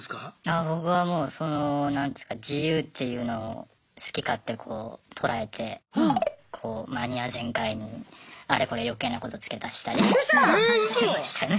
ああ僕はもうその何ですか自由っていうのを好き勝手こう捉えてこうマニア全開にあれこれよけいなこと付け足したりしてましたね。